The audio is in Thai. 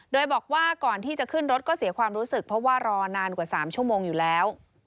โดยบอกว่าก่อนที่จะขึ้นรถก็เสียความรู้สึกเพราะว่ารอนานกว่า๓ชั่วโมงอยู่แล้ว